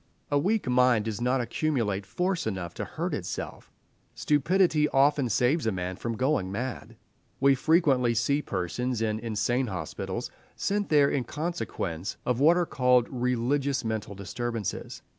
A weak mind does not accumulate force enough to hurt itself; stupidity often saves a man from going mad. We frequently see persons in insane hospitals, sent there in consequence of what are called religious mental disturbances.